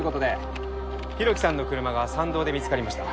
浩喜さんの車が山道で見つかりました。